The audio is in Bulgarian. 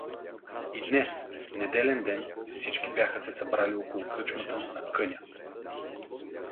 И днес, неделен ден, всички бяха се събрали около кръчмата на Къня.